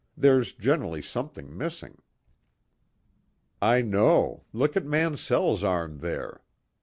There's generally something missing." "I know. Look at Mansell's arm there."